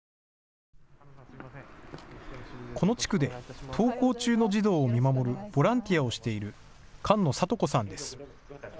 この地区で登校中の児童を見守るボランティアをしている菅野郷子さんです。